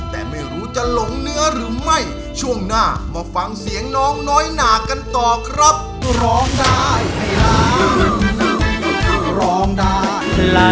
ลาลาลาลาลาลาลา